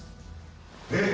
「えっ？